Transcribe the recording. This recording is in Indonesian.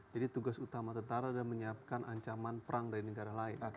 jadi tugas utama tentara adalah menyiapkan ancaman perang dari negara lain